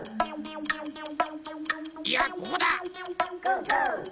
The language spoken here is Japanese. いやここだ！